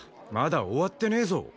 まだ終わってねえぞ。